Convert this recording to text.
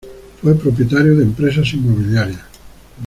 Fue propietario de empresas inmobiliarias.